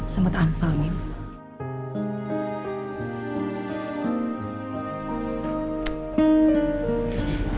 sempet anfal nih